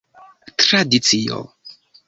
tradicio